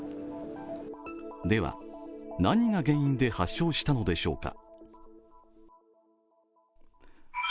では何が原因で発症したのでしょうか？